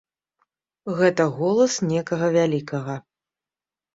Гэта голас некага вялікага.